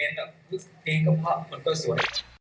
เลยแบบนี่ก็พอคุณก็สวย